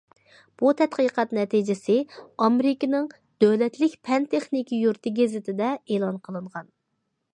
بۇ تەتقىقات نەتىجىسى ئامېرىكىنىڭ« دۆلەتلىك پەن- تېخنىكا يۇرتى گېزىتى» دە ئېلان قىلىنغان.